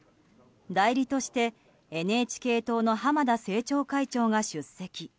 代理としてＮＨＫ党の浜田政調会長が出席。